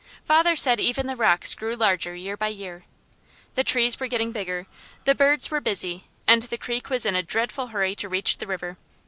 Father said even the rocks grew larger year by year. The trees were getting bigger, the birds were busy, and the creek was in a dreadful hurry to reach the river.